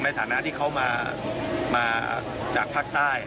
ในฐานะที่เขามาจากภาคใต้